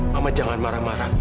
mama jangan marah marah